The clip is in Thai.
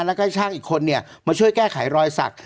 แล้วก็ให้ช่างอีกคนมาช่วยแก้ไขรอยสัก